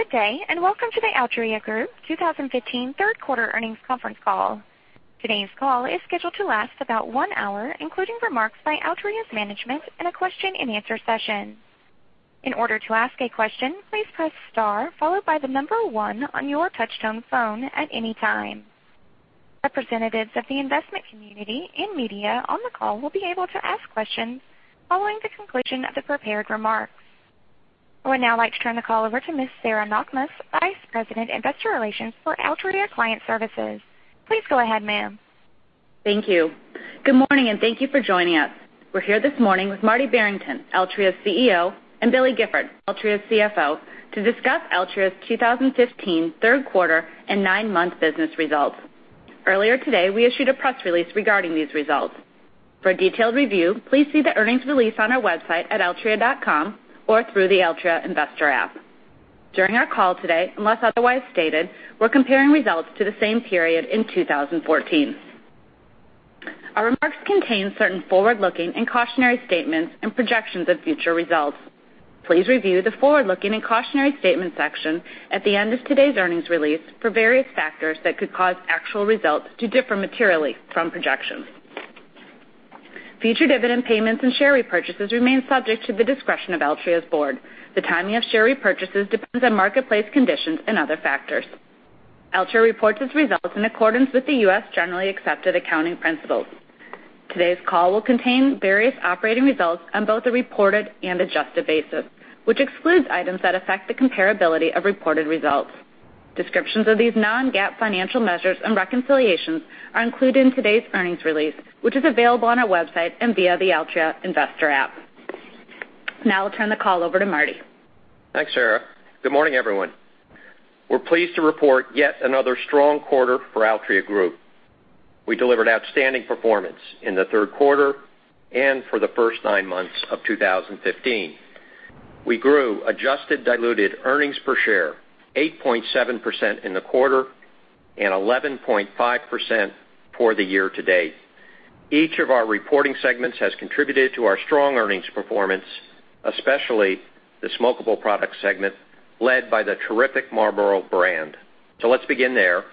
Good day, and welcome to the Altria Group 2015 third quarter earnings conference call. Today's call is scheduled to last about one hour, including remarks by Altria's management and a question and answer session. In order to ask a question, please press star followed by the number 1 on your touch-tone phone at any time. Representatives of the investment community and media on the call will be able to ask questions following the conclusion of the prepared remarks. I would now like to turn the call over to Ms. Sarah Knakmuhs, Vice President, Investor Relations for Altria Client Services. Please go ahead, ma'am. Thank you. Good morning, and thank you for joining us. We're here this morning with Marty Barrington, Altria's CEO, and William Gifford, Altria's CFO, to discuss Altria's 2015 third quarter and nine-month business results. Earlier today, we issued a press release regarding these results. For a detailed review, please see the earnings release on our website at altria.com or through the MO Investor Relations. During our call today, unless otherwise stated, we're comparing results to the same period in 2014. Our remarks contain certain forward-looking and cautionary statements and projections of future results. Please review the forward-looking and cautionary statements section at the end of today's earnings release for various factors that could cause actual results to differ materially from projections. Future dividend payments and share repurchases remain subject to the discretion of Altria's board. The timing of share repurchases depends on marketplace conditions and other factors. Altria reports its results in accordance with the U.S. generally accepted accounting principles. Today's call will contain various operating results on both a reported and adjusted basis, which excludes items that affect the comparability of reported results. Descriptions of these non-GAAP financial measures and reconciliations are included in today's earnings release, which is available on our website and via the MO Investor Relations. Now I'll turn the call over to Marty. Thanks, Sarah. Good morning, everyone. We're pleased to report yet another strong quarter for Altria Group. We delivered outstanding performance in the third quarter and for the first nine months of 2015. We grew adjusted diluted earnings per share 8.7% in the quarter and 11.5% for the year to date. Each of our reporting segments has contributed to our strong earnings performance, especially the smokable product segment led by the terrific Marlboro brand. Let's begin there.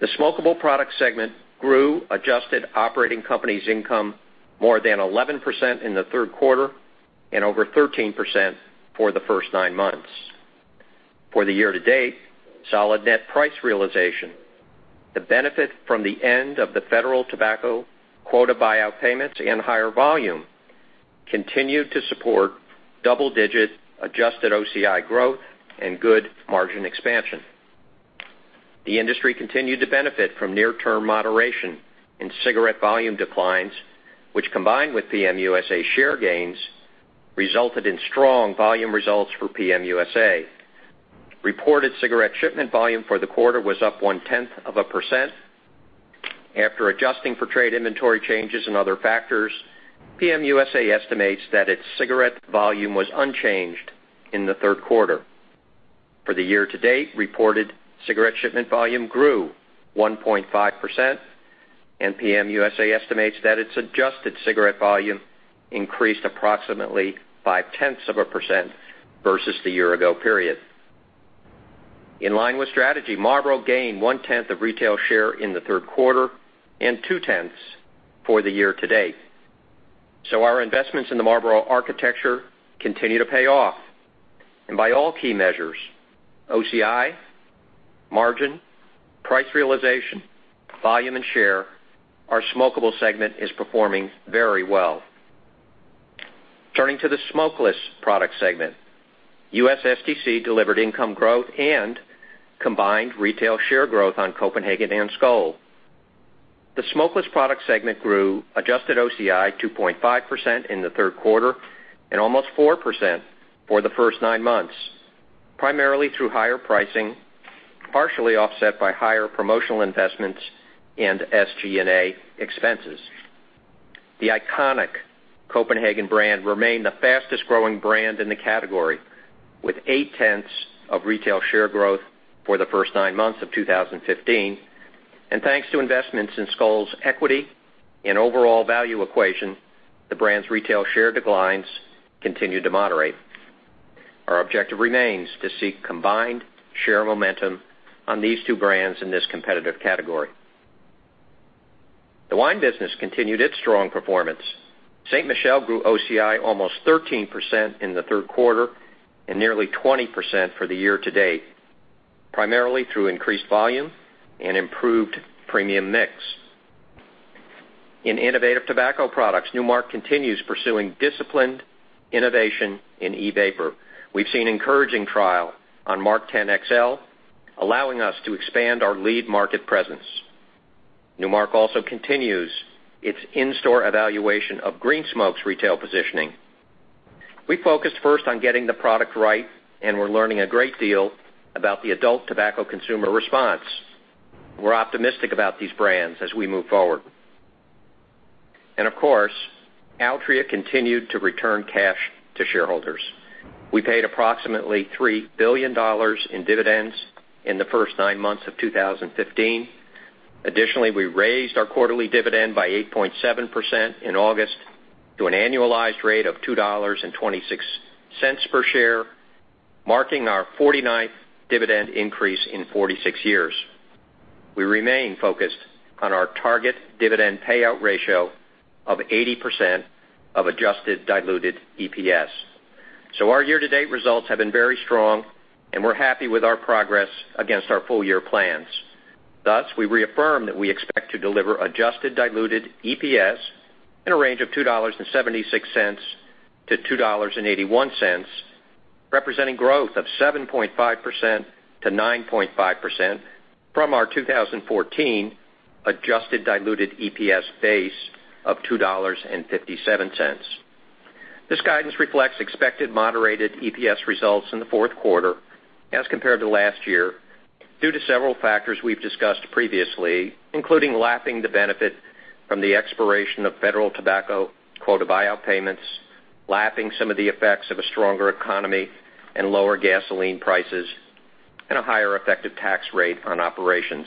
The smokable product segment grew adjusted operating company's income more than 11% in the third quarter and over 13% for the first nine months. For the year to date, solid net price realization, the benefit from the end of the federal tobacco quota buyout payments, and higher volume continued to support double-digit adjusted OCI growth and good margin expansion. The industry continued to benefit from near-term moderation in cigarette volume declines, which combined with PM USA share gains, resulted in strong volume results for PM USA. Reported cigarette shipment volume for the quarter was up 0.1%. After adjusting for trade inventory changes and other factors, PM USA estimates that its cigarette volume was unchanged in the third quarter. For the year to date, reported cigarette shipment volume grew 1.5% and PM USA estimates that its adjusted cigarette volume increased approximately 0.5% versus the year ago period. In line with strategy, Marlboro gained 0.1% of retail share in the third quarter and 0.2% for the year to date. Our investments in the Marlboro architecture continue to pay off. By all key measures, OCI, margin, price realization, volume, and share, our smokable segment is performing very well. Turning to the smokeless product segment. USSTC delivered income growth and combined retail share growth on Copenhagen and Skoal. The smokeless product segment grew adjusted OCI 2.5% in the third quarter and almost 4% for the first nine months, primarily through higher pricing, partially offset by higher promotional investments and SG&A expenses. The iconic Copenhagen brand remained the fastest-growing brand in the category, with 0.8% of retail share growth for the first nine months of 2015. Thanks to investments in Skoal's equity and overall value equation, the brand's retail share declines continued to moderate. Our objective remains to seek combined share momentum on these two brands in this competitive category. The wine business continued its strong performance. Ste. Michelle grew OCI almost 13% in the third quarter and nearly 20% for the year to date, primarily through increased volume and improved premium mix. In innovative tobacco products, Nu Mark continues pursuing disciplined innovation in e-vapor. We've seen encouraging trial on MarkTen XL, allowing us to expand our lead market presence. Nu Mark also continues its in-store evaluation of Green Smoke's retail positioning. We focused first on getting the product right, and we're learning a great deal about the adult tobacco consumer response. We're optimistic about these brands as we move forward. Of course, Altria continued to return cash to shareholders. We paid approximately $3 billion in dividends in the first nine months of 2015. Additionally, we raised our quarterly dividend by 8.7% in August to an annualized rate of $2.26 per share, marking our 49th dividend increase in 46 years. We remain focused on our target dividend payout ratio of 80% of adjusted diluted EPS. Our year-to-date results have been very strong, and we're happy with our progress against our full-year plans. Thus, we reaffirm that we expect to deliver adjusted diluted EPS in a range of $2.76-$2.81, representing growth of 7.5%-9.5% from our 2014 adjusted diluted EPS base of $2.57. This guidance reflects expected moderated EPS results in the fourth quarter as compared to last year due to several factors we've discussed previously, including lapping the benefit from the expiration of federal tobacco quota buyout payments, lapping some of the effects of a stronger economy and lower gasoline prices, and a higher effective tax rate on operations.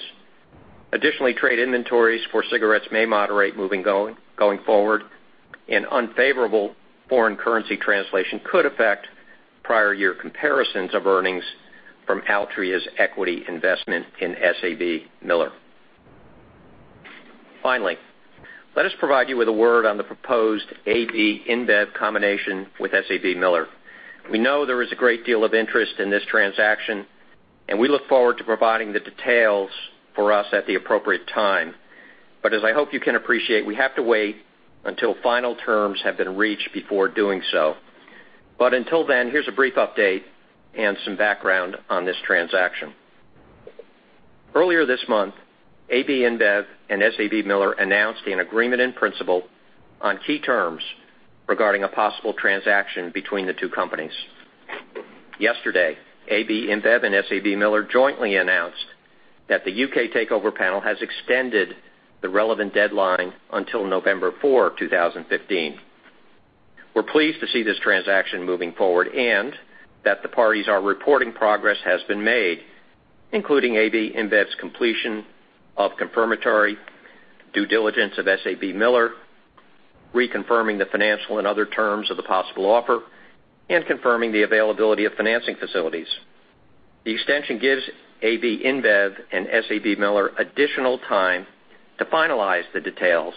Additionally, trade inventories for cigarettes may moderate moving going forward, and unfavorable foreign currency translation could affect prior year comparisons of earnings from Altria's equity investment in SABMiller. Finally, let us provide you with a word on the proposed AB InBev combination with SABMiller. We know there is a great deal of interest in this transaction, and we look forward to providing the details for us at the appropriate time. As I hope you can appreciate, we have to wait until final terms have been reached before doing so. Until then, here's a brief update and some background on this transaction. Earlier this month, AB InBev and SABMiller announced an agreement in principle on key terms regarding a possible transaction between the two companies. Yesterday, AB InBev and SABMiller jointly announced that the U.K. Takeover Panel has extended the relevant deadline until November 4, 2015. We're pleased to see this transaction moving forward and that the parties are reporting progress has been made, including AB InBev's completion of confirmatory due diligence of SABMiller, reconfirming the financial and other terms of the possible offer, and confirming the availability of financing facilities. The extension gives AB InBev and SABMiller additional time to finalize the details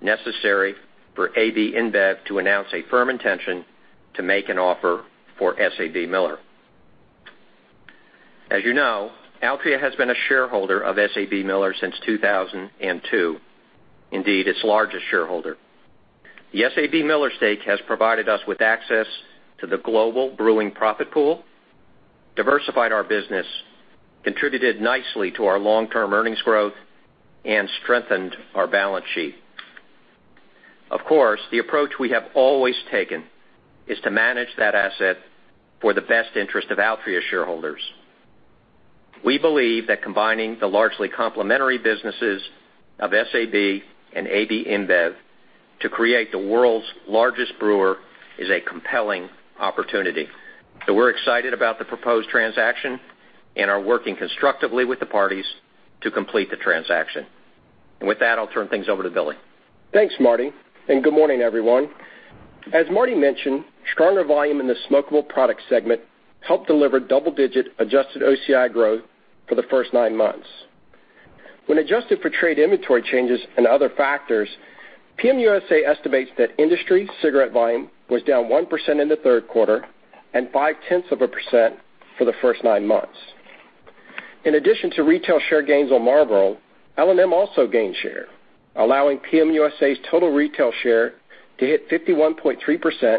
necessary for AB InBev to announce a firm intention to make an offer for SABMiller. As you know, Altria has been a shareholder of SABMiller since 2002. Indeed, its largest shareholder. The SABMiller stake has provided us with access to the global brewing profit pool, diversified our business, contributed nicely to our long-term earnings growth, and strengthened our balance sheet. Of course, the approach we have always taken is to manage that asset for the best interest of Altria shareholders. We believe that combining the largely complementary businesses of SAB and AB InBev to create the world's largest brewer is a compelling opportunity. We're excited about the proposed transaction and are working constructively with the parties to complete the transaction. With that, I'll turn things over to Billy. Thanks, Marty, and good morning, everyone. As Marty mentioned, stronger volume in the smokable product segment helped deliver double-digit adjusted OCI growth for the first nine months. When adjusted for trade inventory changes and other factors, PM USA estimates that industry cigarette volume was down 1% in the third quarter and 0.5% for the first nine months. In addition to retail share gains on Marlboro, L&M also gained share, allowing PM USA's total retail share to hit 51.3%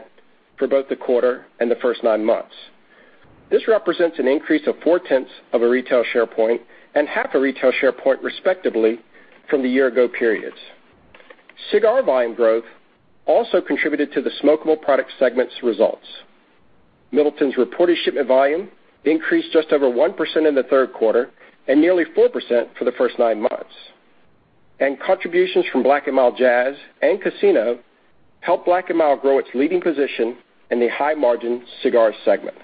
for both the quarter and the first nine months. This represents an increase of 0.4 retail share point and half a retail share point, respectively, from the year-ago periods. Cigar volume growth also contributed to the smokable product segment's results. Middleton's reported shipment volume increased just over 1% in the third quarter and nearly 4% for the first nine months. Contributions from Black & Mild Jazz and Casino helped Black & Mild grow its leading position in the high-margin cigar segment.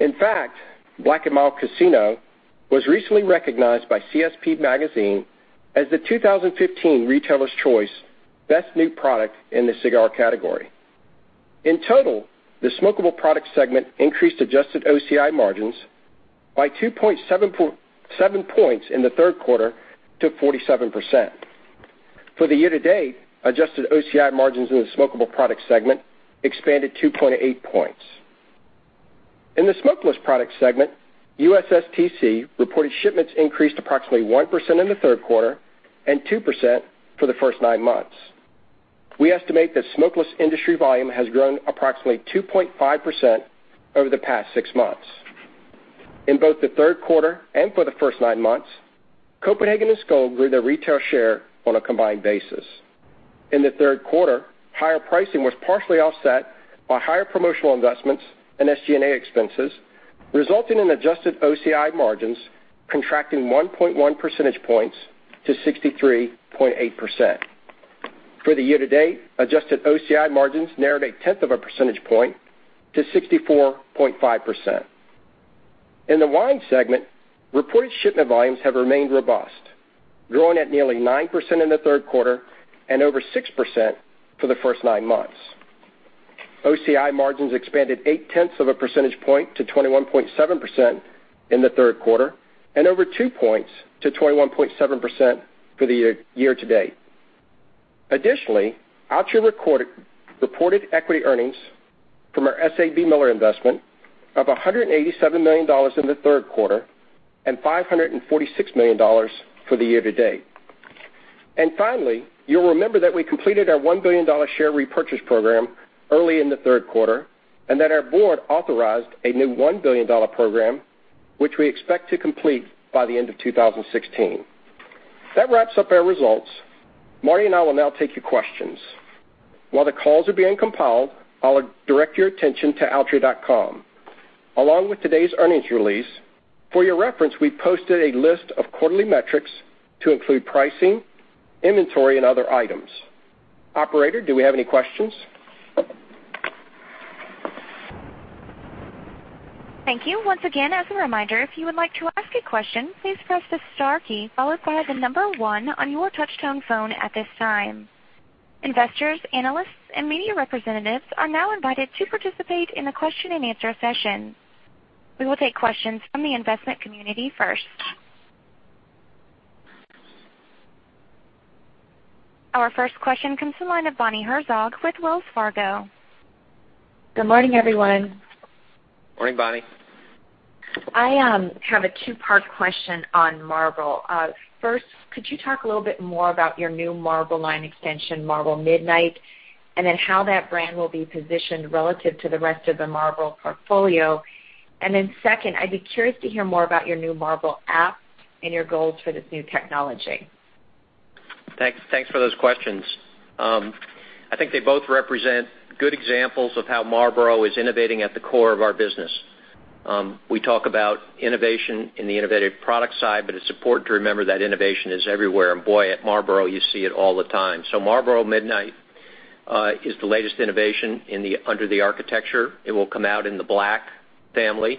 In fact, Black & Mild Casino was recently recognized by CSP Magazine as the 2015 retailer's choice Best New Product in the cigar category. In total, the smokable product segment increased adjusted OCI margins by 2.7 points in the third quarter to 47%. For the year-to-date, adjusted OCI margins in the smokable product segment expanded 2.8 points. In the smokeless product segment, USSTC reported shipments increased approximately 1% in the third quarter and 2% for the first nine months. We estimate that smokeless industry volume has grown approximately 2.5% over the past six months. In both the third quarter and for the first nine months, Copenhagen and Skoal grew their retail share on a combined basis. In the third quarter, higher pricing was partially offset by higher promotional investments and SG&A expenses, resulting in adjusted OCI margins contracting 1.1 percentage points to 63.8%. For the year-to-date, adjusted OCI margins narrowed a tenth of a percentage point to 64.5%. In the wine segment, reported shipment volumes have remained robust, growing at nearly 9% in the third quarter and over 6% for the first nine months. OCI margins expanded eight tenths of a percentage point to 21.7% in the third quarter, and over two points to 21.7% for the year-to-date. Additionally, Altria recorded reported equity earnings from our SABMiller investment of $187 million in the third quarter and $546 million for the year-to-date. Finally, you'll remember that we completed our $1 billion share repurchase program early in the third quarter, and that our board authorized a new $1 billion program, which we expect to complete by the end of 2016. That wraps up our results. Marty and I will now take your questions. While the calls are being compiled, I'll direct your attention to altria.com. Along with today's earnings release, for your reference, we posted a list of quarterly metrics to include pricing, inventory, and other items. Operator, do we have any questions? Thank you. Once again, as a reminder, if you would like to ask a question, please press the star key followed by the number one on your touchtone phone at this time. Investors, analysts, and media representatives are now invited to participate in the question and answer session. We will take questions from the investment community first. Our first question comes to the line of Bonnie Herzog with Wells Fargo. Good morning, everyone. Morning, Bonnie. I have a two-part question on Marlboro. First, could you talk a little bit more about your new Marlboro line extension, Marlboro Midnight, how that brand will be positioned relative to the rest of the Marlboro portfolio? Second, I'd be curious to hear more about your new MHQ app and your goals for this new technology. Thanks for those questions. I think they both represent good examples of how Marlboro is innovating at the core of our business. We talk about innovation in the innovative product side, but it's important to remember that innovation is everywhere. Boy, at Marlboro, you see it all the time. Marlboro Midnight is the latest innovation under the architecture. It will come out in the Black family.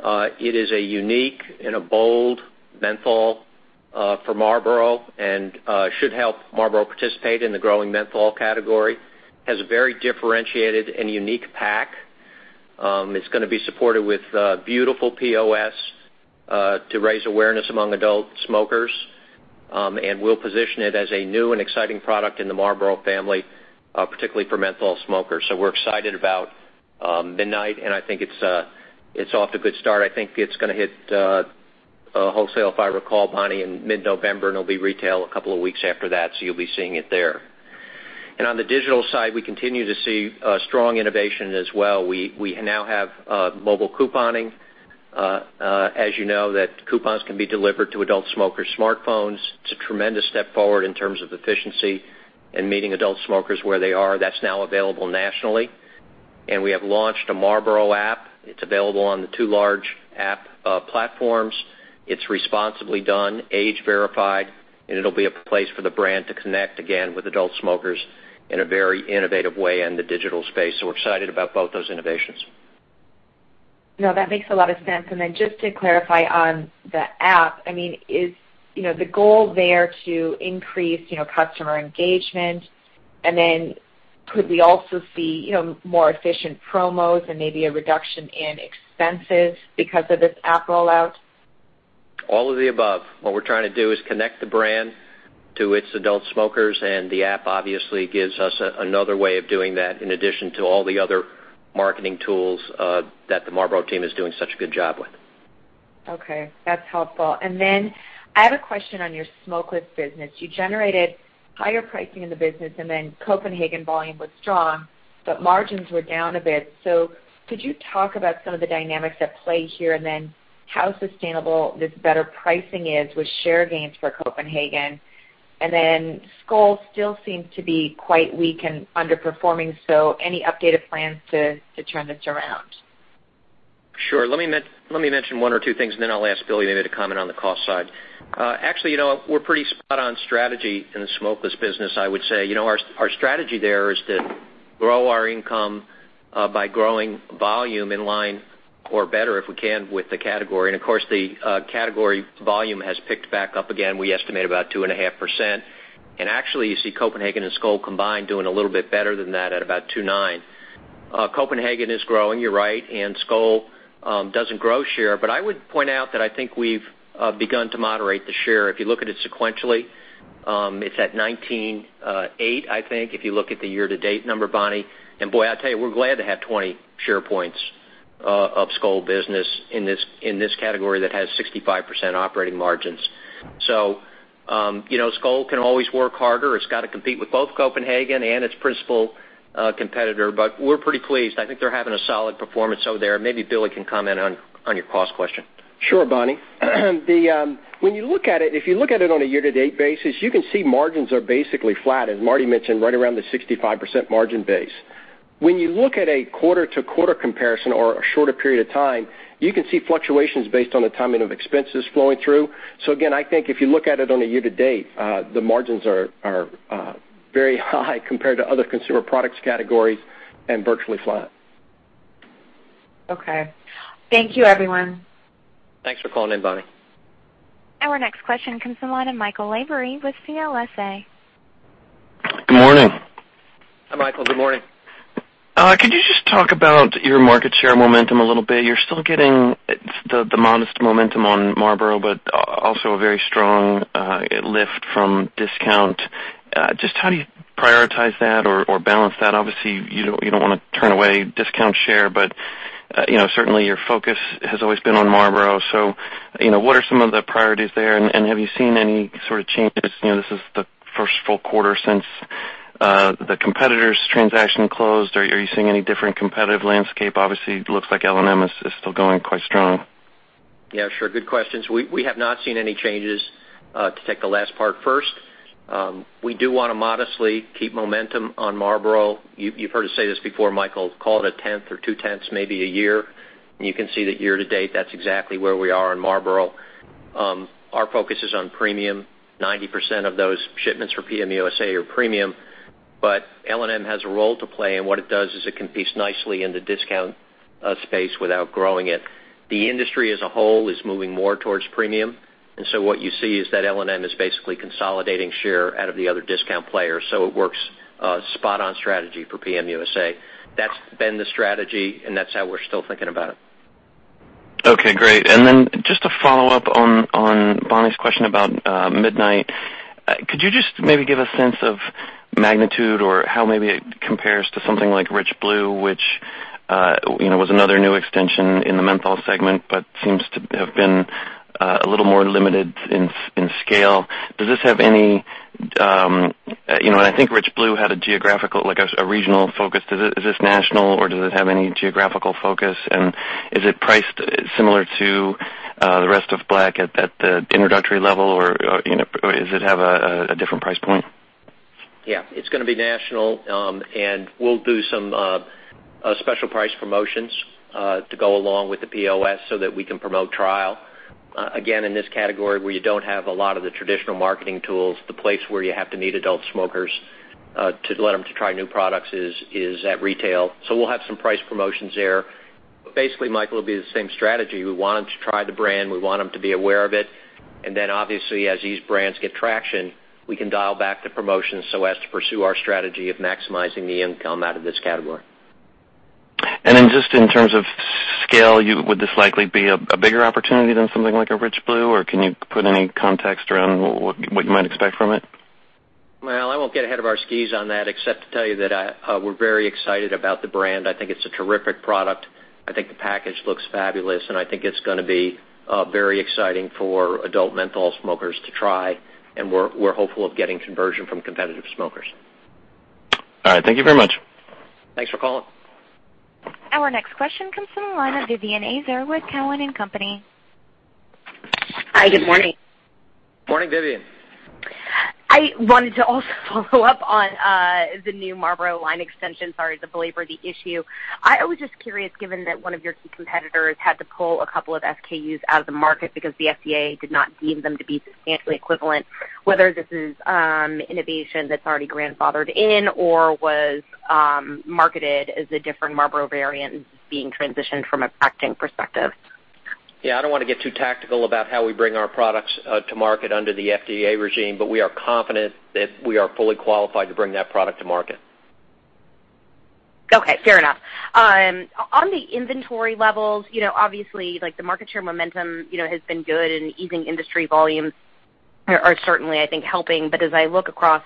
It is a unique and a bold menthol for Marlboro and should help Marlboro participate in the growing menthol category. Has a very differentiated and unique pack. It's going to be supported with beautiful POS to raise awareness among adult smokers, we'll position it as a new and exciting product in the Marlboro family, particularly for menthol smokers. We're excited about Midnight, and I think it's off to a good start. I think it's going to hit wholesale, if I recall, Bonnie, in mid-November, and it'll be retail a couple of weeks after that, you'll be seeing it there. On the digital side, we continue to see strong innovation as well. We now have mobile couponing. As you know, that coupons can be delivered to adult smokers' smartphones. It's a tremendous step forward in terms of efficiency and meeting adult smokers where they are. That's now available nationally. We have launched a MHQ app. It's available on the two large app platforms. It's responsibly done, age-verified, and it'll be a place for the brand to connect again with adult smokers in a very innovative way in the digital space. We're excited about both those innovations. No, that makes a lot of sense. Just to clarify on the app, is the goal there to increase customer engagement? Could we also see more efficient promos and maybe a reduction in expenses because of this app rollout? All of the above. What we're trying to do is connect the brand to its adult smokers, and the app obviously gives us another way of doing that in addition to all the other marketing tools that the Marlboro team is doing such a good job with. Okay, that's helpful. I have a question on your smokeless business. You generated higher pricing in the business, and then Copenhagen volume was strong, but margins were down a bit. Could you talk about some of the dynamics at play here, and then how sustainable this better pricing is with share gains for Copenhagen? Skoal still seems to be quite weak and underperforming, so any updated plans to turn this around? Sure. Let me mention one or two things, and then I'll ask Billy maybe to comment on the cost side. Actually, we're pretty spot on strategy in the smokeless business, I would say. Our strategy there is to grow our income by growing volume in line or better if we can, with the category. Of course, the category volume has picked back up again. We estimate about 2.5%. Actually, you see Copenhagen and Skoal combined doing a little bit better than that at about 2.9. Copenhagen is growing, you're right, and Skoal doesn't grow share. I would point out that I think we've begun to moderate the share. If you look at it sequentially, it's at 19.8, I think, if you look at the year-to-date number, Bonnie. Boy, I tell you, we're glad to have 20 share points of Skoal business in this category that has 65% operating margins. Skoal can always work harder. It's got to compete with both Copenhagen and its principal competitor. We're pretty pleased. I think they're having a solid performance. There maybe Billy can comment on your cost question. Sure, Bonnie. If you look at it on a year-to-date basis, you can see margins are basically flat, as Marty mentioned, right around the 65% margin base. When you look at a quarter-to-quarter comparison or a shorter period of time, you can see fluctuations based on the timing of expenses flowing through. Again, I think if you look at it on a year-to-date, the margins are very high compared to other consumer products categories and virtually flat. Okay. Thank you, everyone. Thanks for calling in, Bonnie. Our next question comes from the line of Michael Lavery with CLSA. Good morning. Hi, Michael. Good morning. Could you just talk about your market share momentum a little bit? You're still getting the modest momentum on Marlboro, but also a very strong lift from discount. Just how do you prioritize that or balance that? Obviously, you don't want to turn away discount share, but certainly your focus has always been on Marlboro. What are some of the priorities there and have you seen any sort of changes? This is the first full quarter since the competitor's transaction closed. Are you seeing any different competitive landscape? Obviously, it looks like L&M is still going quite strong. Yeah, sure. Good questions. We have not seen any changes, to take the last part first. We do want to modestly keep momentum on Marlboro. You've heard us say this before, Michael Lavery, call it a tenth or two tenths, maybe a year, and you can see that year to date, that's exactly where we are on Marlboro. Our focus is on premium. 90% of those shipments for PM USA are premium, but L&M has a role to play, and what it does is it can piece nicely in the discount space without growing it. The industry as a whole is moving more towards premium, what you see is that L&M is basically consolidating share out of the other discount players. It works spot on strategy for PM USA. That's been the strategy, and that's how we're still thinking about it. Okay, great. Just to follow up on Bonnie Herzog's question about Midnight, could you just maybe give a sense of magnitude or how maybe it compares to something like Rich Blue, which was another new extension in the menthol segment, but seems to have been a little more limited in scale. I think Rich Blue had a geographical, a regional focus. Is this national or does it have any geographical focus, and is it priced similar to the rest of Black at the introductory level, or does it have a different price point? Yeah. It's going to be national. We'll do some special price promotions to go along with the POS so that we can promote trial. Again, in this category, where you don't have a lot of the traditional marketing tools, the place where you have to meet adult smokers to let them to try new products is at retail. We'll have some price promotions there. Basically, Michael Lavery, it'll be the same strategy. We want them to try the brand, we want them to be aware of it, and then obviously, as these brands get traction, we can dial back the promotions so as to pursue our strategy of maximizing the income out of this category. Just in terms of scale, would this likely be a bigger opportunity than something like a Rich Blue, or can you put any context around what you might expect from it? Well, I won't get ahead of our skis on that except to tell you that we're very excited about the brand. I think it's a terrific product. I think the package looks fabulous, and I think it's going to be very exciting for adult menthol smokers to try, and we're hopeful of getting conversion from competitive smokers. All right. Thank you very much. Thanks for calling. Our next question comes from the line of Vivien Azer with Cowen and Company. Hi, good morning. Morning, Vivien. I wanted to also follow up on the new Marlboro line extension. Sorry to belabor the issue. I was just curious, given that one of your key competitors had to pull a couple of SKUs out of the market because the FDA did not deem them to be substantially equivalent, whether this is innovation that's already grandfathered in or was marketed as a different Marlboro variant being transitioned from a packaging perspective. Yeah, I don't want to get too tactical about how we bring our products to market under the FDA regime, we are confident that we are fully qualified to bring that product to market. Okay, fair enough. On the inventory levels, obviously, the market share momentum has been good and easing industry volumes are certainly, I think, helping. As I look across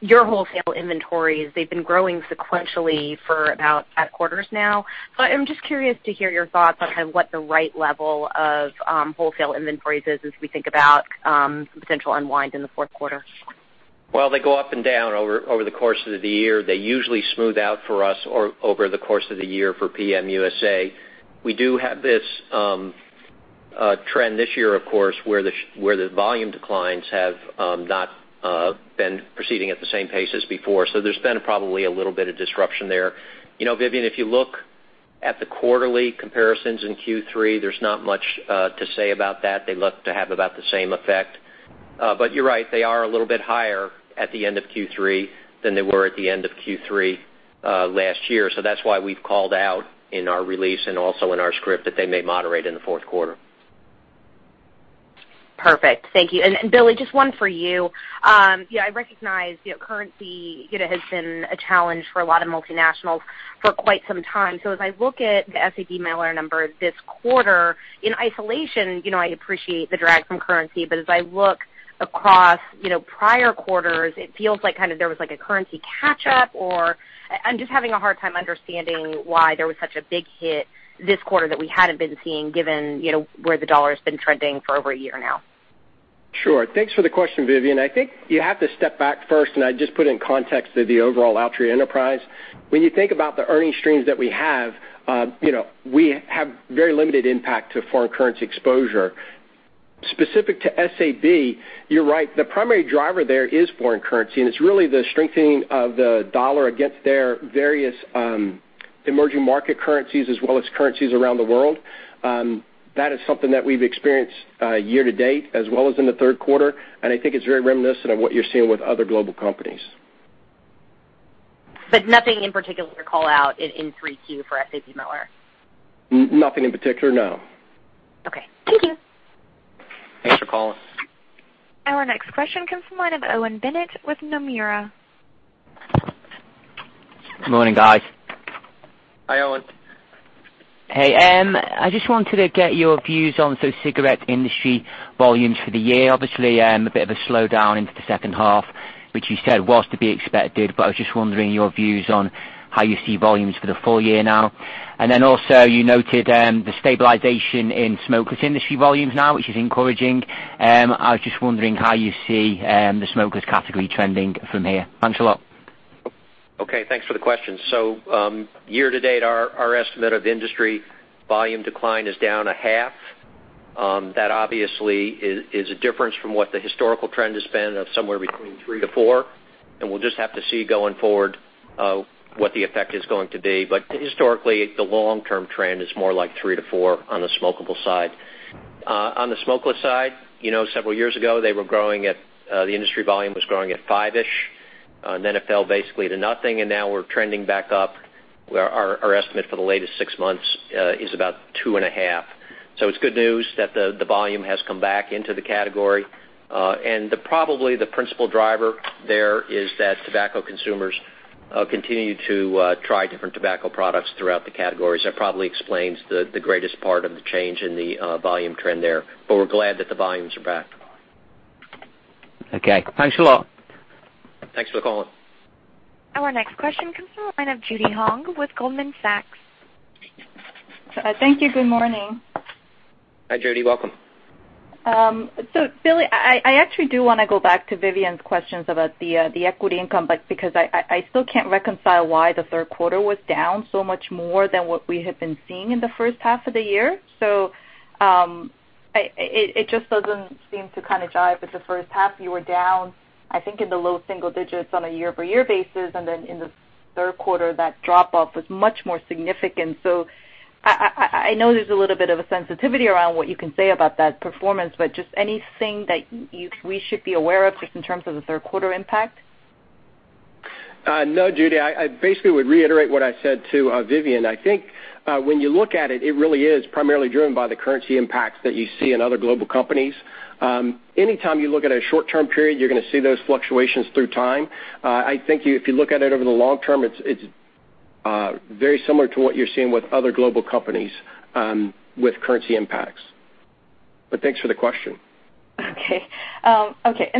your wholesale inventories, they've been growing sequentially for about 8 quarters now. I'm just curious to hear your thoughts on kind of what the right level of wholesale inventories is as we think about potential unwind in the fourth quarter. Well, they go up and down over the course of the year. They usually smooth out for us over the course of the year for PM USA. We do have this trend this year, of course, where the volume declines have not been proceeding at the same pace as before. There's been probably a little bit of disruption there. Vivien, if you look at the quarterly comparisons in Q3, there's not much to say about that. They look to have about the same effect. You're right, they are a little bit higher at the end of Q3 than they were at the end of Q3 last year. That's why we've called out in our release and also in our script that they may moderate in the fourth quarter. Perfect. Thank you. Billy, just one for you. I recognize currency has been a challenge for a lot of multinationals for quite some time. As I look at the SABMiller numbers this quarter, in isolation, I appreciate the drag from currency, as I look across prior quarters, it feels like kind of there was like a currency catch up or I'm just having a hard time understanding why there was such a big hit this quarter that we hadn't been seeing given where the dollar's been trending for over a year now. Sure. Thanks for the question, Vivien. I think you have to step back first, I'd just put in context of the overall Altria enterprise. When you think about the earning streams that we have, we have very limited impact to foreign currency exposure. Specific to SAB, you're right. The primary driver there is foreign currency, it's really the strengthening of the dollar against their various emerging market currencies as well as currencies around the world. That is something that we've experienced year-to-date as well as in the third quarter, I think it's very reminiscent of what you're seeing with other global companies. Nothing in particular to call out in 3Q for SABMiller? Nothing in particular, no. Okay. Thank you. Thanks for calling. Our next question comes from the line of Owen Bennett with Nomura. Good morning, guys. Hi, Owen. Hey. I just wanted to get your views on cigarette industry volumes for the year. Obviously, a bit of a slowdown into the second half, which you said was to be expected, but I was just wondering your views on how you see volumes for the full year now. You noted the stabilization in smokeless industry volumes now, which is encouraging. I was just wondering how you see the smokeless category trending from here. Thanks a lot. Okay. Thanks for the question. Year to date, our estimate of industry volume decline is down a half. That obviously is a difference from what the historical trend has been of somewhere between 3%-4%, and we'll just have to see going forward what the effect is going to be. Historically, the long-term trend is more like 3%-4% on the smokable side. On the smokeless side, several years ago, the industry volume was growing at five-ish, and then it fell basically to nothing, and now we're trending back up, where our estimate for the latest six months is about two and a half. It's good news that the volume has come back into the category. Probably the principal driver there is that tobacco consumers continue to try different tobacco products throughout the categories. That probably explains the greatest part of the change in the volume trend there. We're glad that the volumes are back. Okay. Thanks a lot. Thanks for calling. Our next question comes from the line of Judy Hong with Goldman Sachs. Thank you. Good morning. Hi, Judy. Welcome. Billy, I actually do want to go back to Vivien's questions about the equity income, because I still can't reconcile why the third quarter was down so much more than what we had been seeing in the first half of the year. It just doesn't seem to jive with the first half. You were down, I think, in the low single digits on a year-over-year basis, and then in the third quarter, that drop off was much more significant. I know there's a little bit of a sensitivity around what you can say about that performance, but just anything that we should be aware of just in terms of the third quarter impact? No, Judy. I basically would reiterate what I said to Vivien. I think when you look at it really is primarily driven by the currency impacts that you see in other global companies. Anytime you look at a short-term period, you're going to see those fluctuations through time. I think if you look at it over the long term, it's very similar to what you're seeing with other global companies with currency impacts. Thanks for the question. Okay.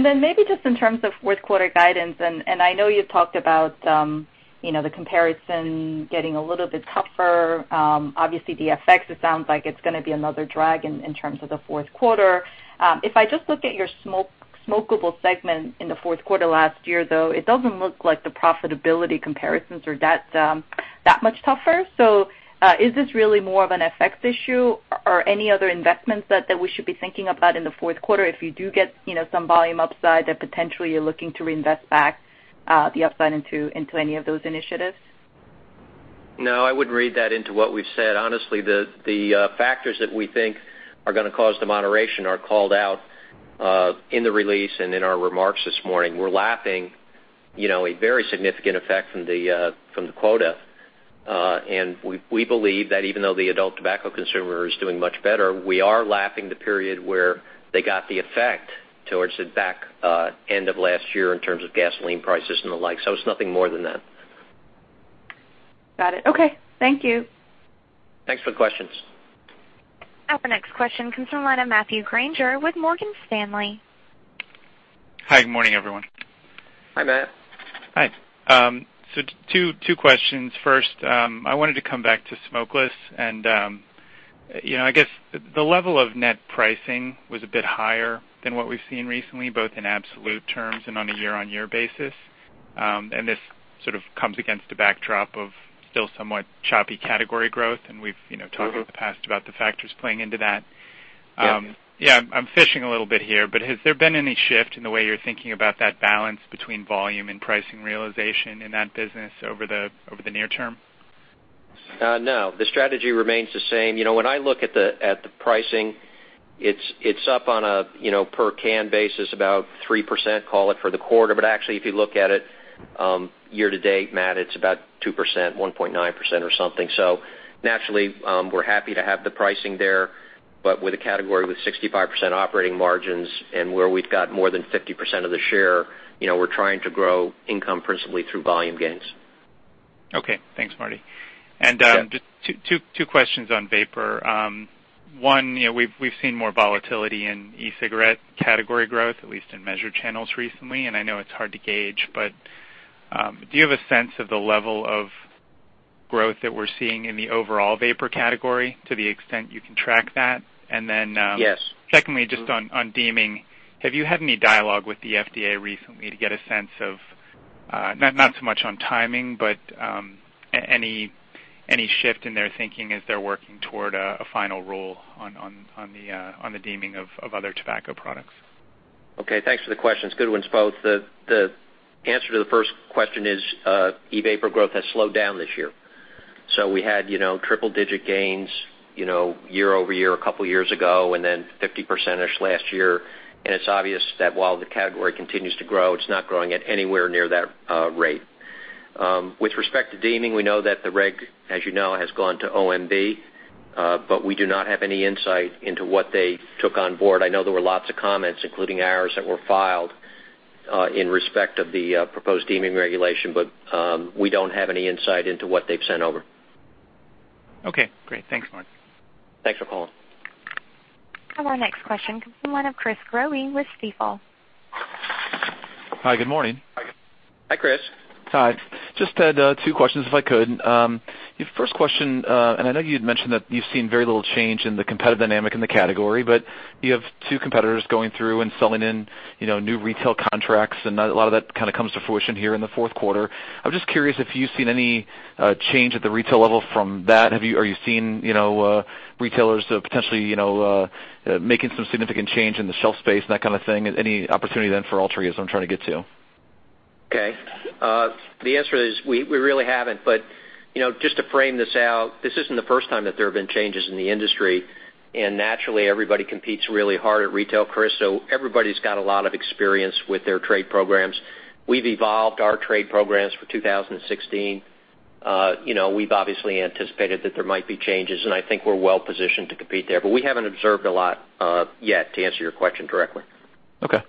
Then maybe just in terms of fourth quarter guidance, I know you talked about the comparison getting a little bit tougher. Obviously, the FX, it sounds like it's going to be another drag in terms of the fourth quarter. If I just looked at your smokable products segment in the fourth quarter last year, though, it doesn't look like the profitability comparisons are that much tougher. Is this really more of an FX issue? Are any other investments that we should be thinking about in the fourth quarter if you do get some volume upside that potentially you're looking to reinvest back the upside into any of those initiatives? No, I wouldn't read that into what we've said. Honestly, the factors that we think are going to cause the moderation are called out in the release and in our remarks this morning. We're lapping a very significant effect from the quota. We believe that even though the adult tobacco consumer is doing much better, we are lapping the period where they got the effect towards the back end of last year in terms of gasoline prices and the like. It's nothing more than that. Got it. Okay. Thank you. Thanks for the questions. Our next question comes from the line of Matthew Grainger with Morgan Stanley. Hi, good morning, everyone. Hi, Matt. Hi. Two questions. First, I wanted to come back to smokeless. I guess the level of net pricing was a bit higher than what we've seen recently, both in absolute terms and on a year-on-year basis. This sort of comes against a backdrop of still somewhat choppy category growth, and we've talked in the past about the factors playing into that. Yes. I'm fishing a little bit here, has there been any shift in the way you're thinking about that balance between volume and pricing realization in that business over the near term? No. The strategy remains the same. When I look at the pricing, it's up on a per can basis about 3%, call it, for the quarter. Actually, if you look at it year to date, Matt, it's about 2%, 1.9% or something. Naturally, we're happy to have the pricing there, with a category with 65% operating margins and where we've got more than 50% of the share, we're trying to grow income principally through volume gains. Okay. Thanks, Marty. Yeah. Just two questions on vapor. One, we've seen more volatility in e-cigarette category growth, at least in measured channels recently, and I know it's hard to gauge, but do you have a sense of the level of growth that we're seeing in the overall vapor category to the extent you can track that? Yes Secondly, just on deeming, have you had any dialogue with the FDA recently to get a sense of, not so much on timing, but any shift in their thinking as they're working toward a final rule on the deeming of other tobacco products? Okay, thanks for the questions. Good ones, both. The answer to the first question is e-vapor growth has slowed down this year. We had triple digit gains, year-over-year a couple of years ago, then 50%-ish last year, and it's obvious that while the category continues to grow, it's not growing at anywhere near that rate. With respect to deeming, we know that the reg, as you know, has gone to OMB. We do not have any insight into what they took on board. I know there were lots of comments, including ours that were filed, in respect of the proposed deeming regulation. We don't have any insight into what they've sent over. Okay, great. Thanks, Marty. Thanks for calling. Our next question comes from the line of Chris Growe with Stifel. Hi, good morning. Hi, Chris. Hi. Just had two questions if I could. The first question, I know you had mentioned that you've seen very little change in the competitive dynamic in the category, but you have two competitors going through and selling in new retail contracts, and a lot of that comes to fruition here in the fourth quarter. I'm just curious if you've seen any change at the retail level from that. Are you seeing retailers potentially making some significant change in the shelf space and that kind of thing? Any opportunity then for Altria is what I'm trying to get to. Okay. The answer is we really haven't. Just to frame this out, this isn't the first time that there have been changes in the industry. Naturally, everybody competes really hard at retail, Chris, so everybody's got a lot of experience with their trade programs. We've evolved our trade programs for 2016. We've obviously anticipated that there might be changes, and I think we're well-positioned to compete there. We haven't observed a lot yet, to answer your question directly. Okay.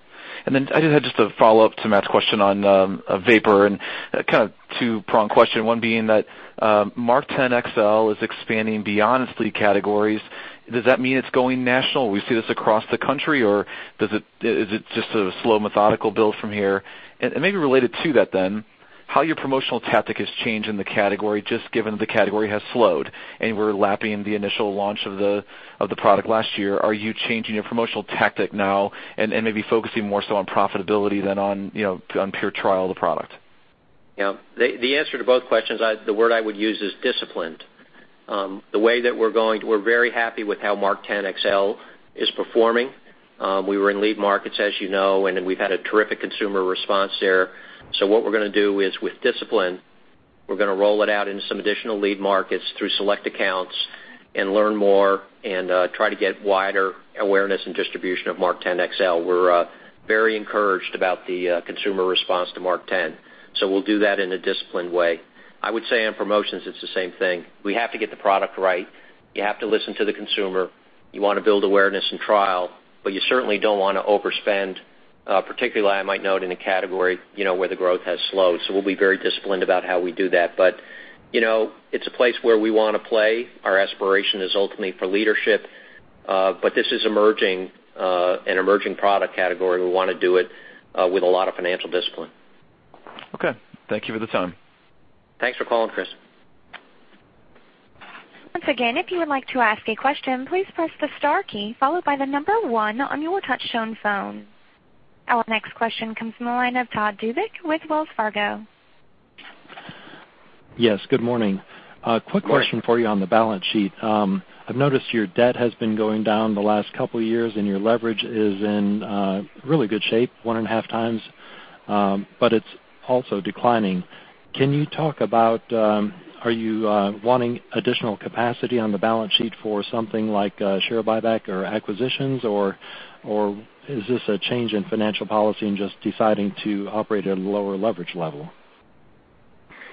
I just had just a follow-up to Matt's question on vapor and kind of two-prong question, one being that MarkTen XL is expanding beyond select categories. Does that mean it's going national? Will we see this across the country, or is it just a slow methodical build from here? Maybe related to that then, how your promotional tactic has changed in the category, just given the category has slowed and we're lapping the initial launch of the product last year. Are you changing your promotional tactic now and maybe focusing more so on profitability than on pure trial of the product? Yeah. The answer to both questions, the word I would use is disciplined. We're very happy with how MarkTen XL is performing. We were in lead markets, as you know, and then we've had a terrific consumer response there. What we're going to do is with discipline, we're going to roll it out into some additional lead markets through select accounts and learn more and try to get wider awareness and distribution of MarkTen XL. We're very encouraged about the consumer response to MarkTen. We'll do that in a disciplined way. I would say on promotions, it's the same thing. We have to get the product right. You have to listen to the consumer. You want to build awareness and trial, but you certainly don't want to overspend, particularly I might note in a category where the growth has slowed. We'll be very disciplined about how we do that. It's a place where we want to play. Our aspiration is ultimately for leadership. This is an emerging product category. We want to do it with a lot of financial discipline. Okay. Thank you for the time. Thanks for calling, Chris. Once again, if you would like to ask a question, please press the star key followed by the number one on your touchtone phone. Our next question comes from the line of Todd Duvick with Wells Fargo. Yes, good morning. Good morning. A quick question for you on the balance sheet. I've noticed your debt has been going down the last couple of years, and your leverage is in really good shape, one and a half times. It's also declining. Can you talk about, are you wanting additional capacity on the balance sheet for something like a share buyback or acquisitions, or is this a change in financial policy and just deciding to operate at a lower leverage level?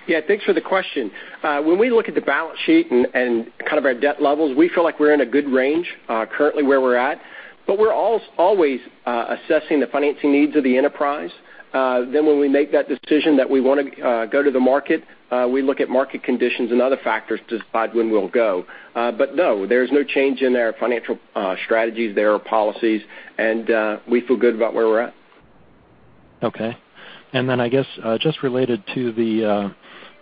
Yeah. Thanks for the question. When we look at the balance sheet and our debt levels, we feel like we're in a good range, currently where we're at. We're always assessing the financing needs of the enterprise. When we make that decision that we want to go to the market, we look at market conditions and other factors to decide when we'll go. No, there's no change in our financial strategies, their policies, and we feel good about where we're at. Okay. I guess, just related to the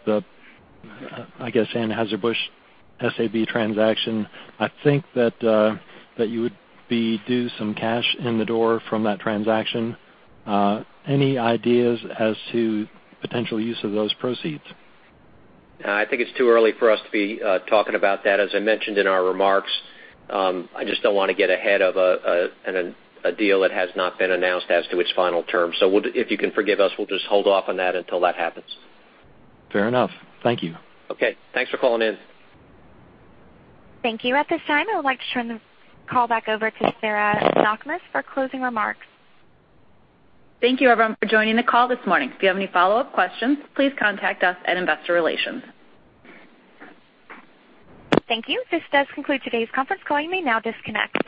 Anheuser-Busch SAB transaction, I think that you would be due some cash in the door from that transaction. Any ideas as to potential use of those proceeds? I think it's too early for us to be talking about that. As I mentioned in our remarks, I just don't want to get ahead of a deal that has not been announced as to its final terms. If you can forgive us, we'll just hold off on that until that happens. Fair enough. Thank you. Okay. Thanks for calling in. Thank you. At this time, I would like to turn the call back over to Sarah Knakmuhs for closing remarks. Thank you everyone for joining the call this morning. If you have any follow-up questions, please contact us at Investor Relations. Thank you. This does conclude today's conference call. You may now disconnect.